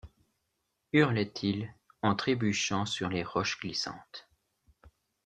hurlait-il en trébuchant sur les roches glissantes.